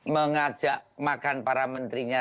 mengajak makan para menterinya